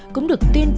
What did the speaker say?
cũng được tẩu thoát